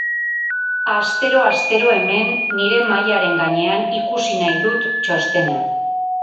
Astero-astero hemen, nire mahaiaren gainean, ikusi nahi dut txostena.